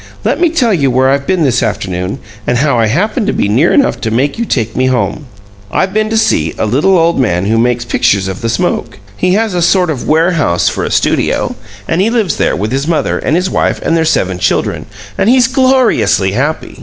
"Let me tell you where I've been this afternoon and how I happened to be near enough to make you take me home. I've been to see a little old man who makes pictures of the smoke. He has a sort of warehouse for a studio, and he lives there with his mother and his wife and their seven children, and he's gloriously happy.